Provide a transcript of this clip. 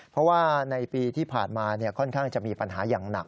เพราะว่าในปีที่ผ่านมาค่อนข้างจะมีปัญหาอย่างหนัก